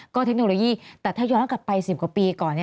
ก็เทคโนโลยีแต่ถ้าย้อนกลับไป๑๐กว่าปีก่อน